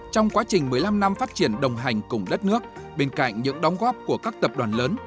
trong quá trình một mươi năm năm phát triển đồng hành cùng đất nước bên cạnh những đóng góp của các tập đoàn lớn